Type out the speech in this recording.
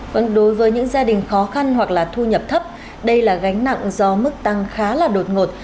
còn đối với những gia đình khó khăn hoặc là thu nhập thấp đây là gánh nặng do mức tăng khá là đột ngột